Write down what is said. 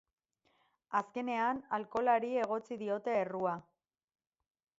Azkenean, alkoholari egotzi diote errua.